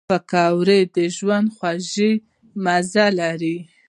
پکورې د ژوند خوږ مزه لري